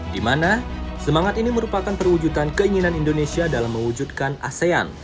di mana semangat ini merupakan perwujudan keinginan indonesia dalam mewujudkan asean